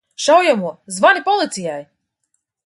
Šaujamo! Zvani policijai!